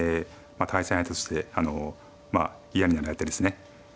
対戦相手として嫌になる相手ですね。